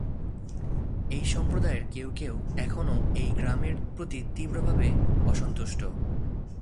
এই সম্প্রদায়ের কেউ কেউ এখনও এই নামের প্রতি তীব্রভাবে অসন্তুষ্ট।